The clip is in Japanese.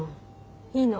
いいの。